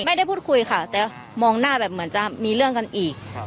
ไม่ได้พูดคุยค่ะแต่มองหน้าแบบเหมือนจะมีเรื่องกันอีก